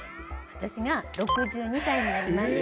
私が６２歳になりました。